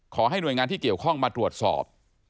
ขอให้หน่วยงานที่เกี่ยวข้องมาตรวจสอบ